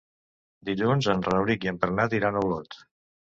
Dilluns en Rauric i en Bernat iran a Olot.